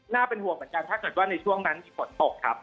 เป็นห่วงเหมือนกันถ้าเกิดว่าในช่วงนั้นมีฝนตกครับ